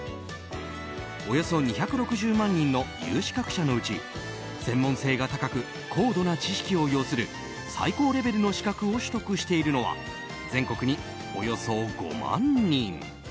およそ２６０万人の有資格者のうち専門性が高く高度な知識を要する最高レベルの資格を取得しているのは全国におよそ５万人。